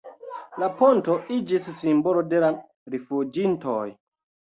La ponto iĝis simbolo de la rifuĝintoj.